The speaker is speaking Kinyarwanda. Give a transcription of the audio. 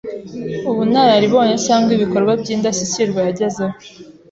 ubunararibonye cyangwa ibikorwa by’indashyikirwa yagezeho,